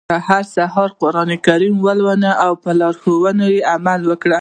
هر سهار قرآن کریم لولو او په لارښوونو يې عمل کوو.